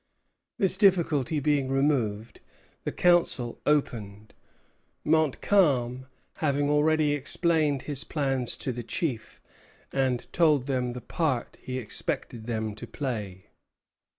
This difficulty being removed, the council opened, Montcalm having already explained his plans to the chiefs and told them the part he expected them to play.